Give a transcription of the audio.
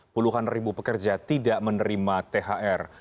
puluhan ribu pekerja tidak menerima thr